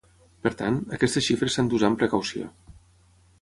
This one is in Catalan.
Per tant, aquestes xifres s'han d'usar amb precaució.